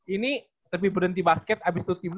ini tapi berhenti basket abis itu ya kan